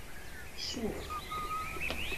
Sukk.